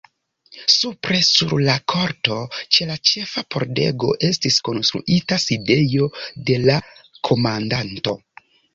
Supre sur la korto, ĉe la ĉefa pordego, estis konstruita sidejo de la komandanto.